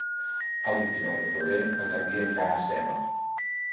El vint-i-nou de febrer en Garbí anirà a Seva.